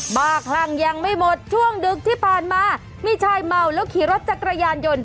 บ้าคลั่งยังไม่หมดช่วงดึกที่ผ่านมามีชายเมาแล้วขี่รถจักรยานยนต์